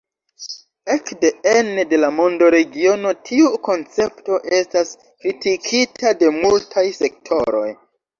Ekde ene de la mondoregiono, tiu koncepto estas kritikita de multaj sektoroj.